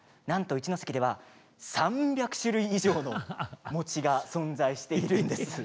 なんと一関では３００種類以上のお餅が存在しているんです。